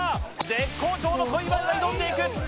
絶好調の小祝が挑んでいく。